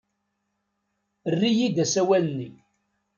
Err-iyi-d asawal-nni.